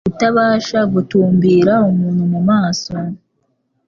Kutabasha gutumbira umuntu mu maso